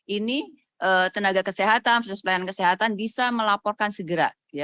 ini tenaga kesehatan penyelesaian kesehatan bisa melaporkan segera